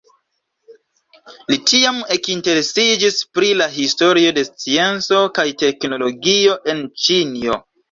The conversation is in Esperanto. Li tiam ekinteresiĝis pri la historio de scienco kaj teknologio en Ĉinio.